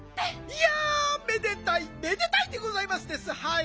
いやめでたいめでたいでございますですはい。